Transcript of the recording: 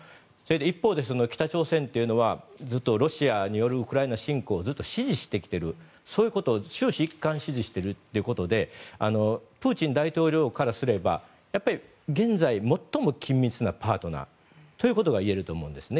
一方で北朝鮮というのはずっとロシアによるウクライナ侵攻をずっと支持してきているそういうことを終始一貫支持しているということでプーチン大統領からすれば現在、最も緊密なパートナーということがいえると思うんですね。